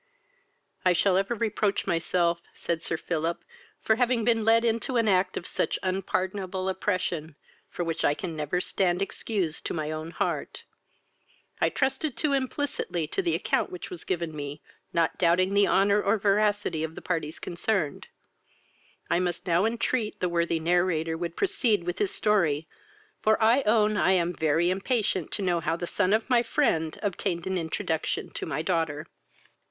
"I shall ever reproach myself, (said Sir Philip,) for having been led into an act of such unpardonable oppression, for which I can never stand excused to my own heart. I trusted too implicitly to the account which was given me, not doubting the honour or veracity of the parties concerned. I must now entreat, the worthy narrator would proceed with his story, for I own I am very impatient to know how the son of my friend obtained an introduction to my daughter."